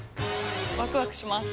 ワクワクします。